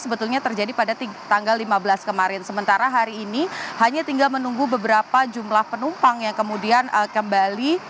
sebetulnya terjadi pada tanggal lima belas kemarin sementara hari ini hanya tinggal menunggu beberapa jumlah penumpang yang kemudian kembali